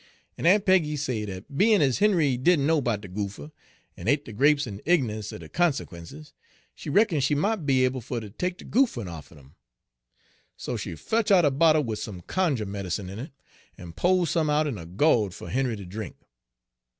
En Aun' Peggy say dat bein' ez Henry didn' know 'bout de goopher, en et de grapes in ign'ance er de conseq'ences, she reckon she mought be able fer ter take de goopher off'n him. So she fotch out er bottle wid some cunjuh medicine in it, en po'd some out in a go'd for Henry ter drink.